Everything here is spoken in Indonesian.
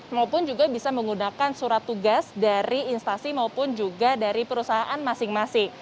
maupun juga bisa menggunakan surat tugas dari instasi maupun juga dari perusahaan masing masing